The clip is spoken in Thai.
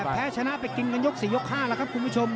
แพ้ชนะไปกินกันยก๔ยก๕แล้วครับคุณผู้ชม